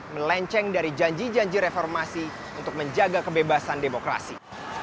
melenceng dari janji janji reformasi untuk menjaga kebebasan demokrasi